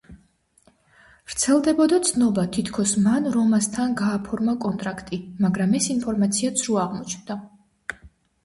ვრცელდებოდა ცნობა, თითქოს მან „რომასთან“ გააფორმა კონტრაქტი, მაგრამ ეს ინფორმაცია ცრუ აღმოჩნდა.